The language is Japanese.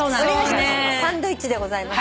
サンドイッチでございます。